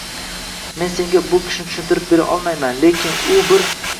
Men senga bu kuchni tushuntirib bera olmayman, lekin u bor.